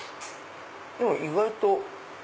でも意外と。